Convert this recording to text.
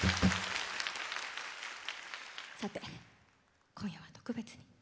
さて、今夜は特別。